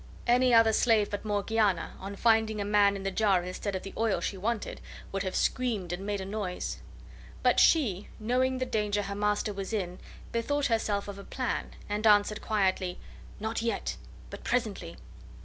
Any other slave but Morgiana, on finding a man in the jar instead of the oil she wanted, would have screamed and made a noise; but she, knowing the danger her master was in, bethought herself of a plan, and answered quietly: "Not yet, but presently."